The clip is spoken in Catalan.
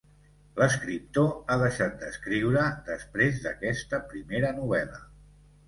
L'escriptor ha deixat d'escriure, després d'aquesta primera novel·la.